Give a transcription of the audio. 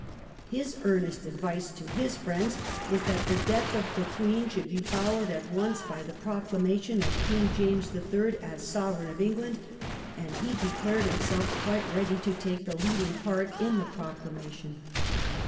His earnest advice to his friends was that the death of the Queen should be followed at once by the proclamation of King James III. as Sovereign of England, and he declared himself quite ready to take the leading part in the proclamation.